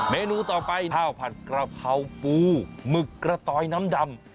เมนูต่อไปข้าวผัดกระเพราปูหมึกกระตอยน้ำดำ